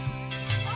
ujang ujang ujang